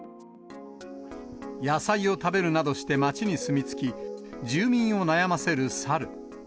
野菜を食べるなどして街に住み着き、住民を悩ませる猿。